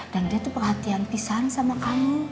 dan dia tuh perhatian pisan sama kamu